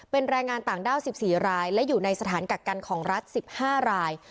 เป็นแรงงานต่างด้าว๑๔รายและอยู่ในสถานกักกันของรัฐ๑๕ราย